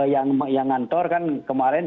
yang ngantor kan kemarin